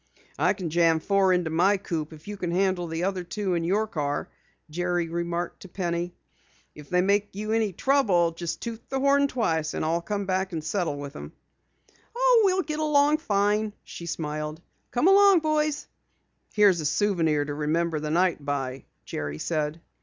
"I can jam four into my coupe if you can handle the other two in your car," Jerry remarked to Penny. "If they make you any trouble, just toot the horn twice, and I'll come back and settle with 'em!" "Oh, we'll get along fine," she smiled. "Come along, boys." "Here's a souvenir to remember the night by," Jerry said.